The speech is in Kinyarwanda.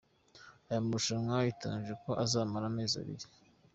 Aya marushanwa biteganijwe ko azamara amezi abiri.